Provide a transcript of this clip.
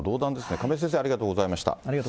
亀井先生、ありがとうございました。